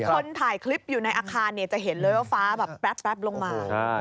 คนถ่ายคลิปอยู่ในอาคารเนี่ยจะเห็นเลยว่าฟ้าแบบแป๊บลงมา